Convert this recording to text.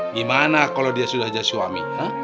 gimana kalo dia sudah jadi suami